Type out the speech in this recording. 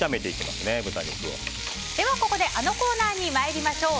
ではここで、あのコーナーに参りましょう。